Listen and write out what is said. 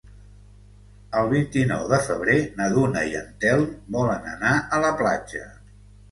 El vint-i-nou de febrer na Duna i en Telm volen anar a la platja.